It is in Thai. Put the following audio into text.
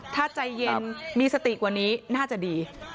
ถ้าใจเย็นมีสติกว่านี้น่าจะดี